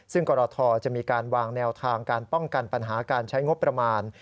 ซึ่งกรทจะมีการวางแนวทางการป้องกันปัญหาการใช้งบประมาณ